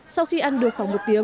sau khi ăn được khoảng một mươi năm h